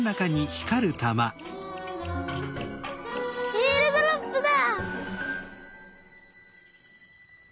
えーるドロップだ！